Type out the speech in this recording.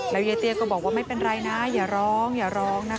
ยายเตี้ยก็บอกว่าไม่เป็นไรนะอย่าร้องอย่าร้องนะคะ